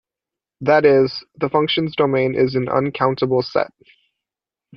That is, the function's domain is an uncountable set.